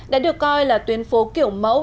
đã được coi là tuyến phố kiểu mẫu